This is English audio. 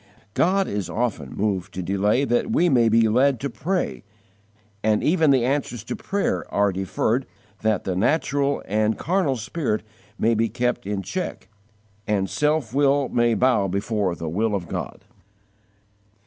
God is often moved to delay that we may be led to pray, and even the answers to prayer are deferred that the natural and carnal spirit may be kept in check and self will may bow before the will of God.